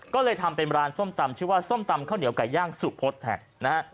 ก็เลยทำเป็นร้านส้มตำชื่อว่าส้มตำข้าวเหนียวไก่ย่างสุพธแทนนะฮะ